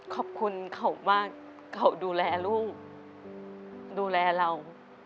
ขอบคุณเขามากเขาดูแลลูกดูแลเรา